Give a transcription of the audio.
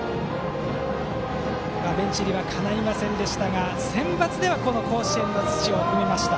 ベンチ入りがかないませんでしたがセンバツでは甲子園の土を踏みました。